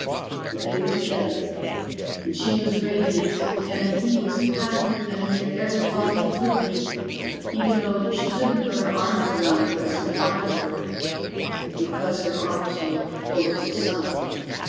But they were together and she was radiant, and he was happier than he had ever thought he could be, even though she couldn't put her arms around him as he wanted her to because her arms were full of his son.